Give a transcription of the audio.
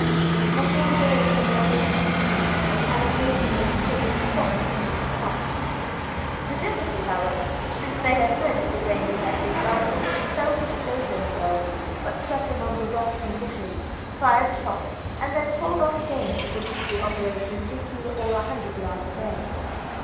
For four days the blockade continued, an occasional exchange of shots being kept up. The dervishes, however, since they had learnt the range of Edgar's rifle, seldom showed themselves, but crept among the rocks and bushes, fired a shot, and then crawled off again to repeat the operation fifty or a hundred yards away.